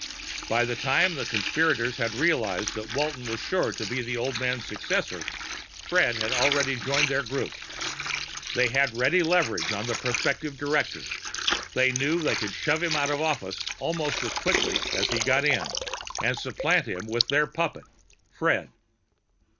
By the time the conspirators had realized that Walton was sure to be the old man's successor, Fred had already joined their group. They had ready leverage on the prospective director. They knew they could shove him out of office almost as quickly as he got in, and supplant him with their puppet, Fred.